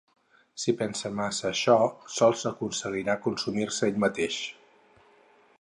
Si pensa massa això sols aconseguirà consumir-se ell mateix.